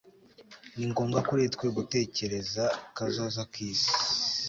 ni ngombwa kuri twe gutekereza kazoza k'isi